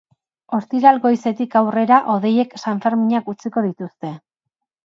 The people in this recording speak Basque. Ostiral goizetik aurrera, hodeiek sanferminak utziko dituzte.